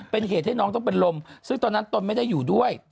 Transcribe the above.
เป็นเหตุให้น้องต้องเป็นลมซึ่งตอนนั้นตนไม่ได้อยู่ด้วย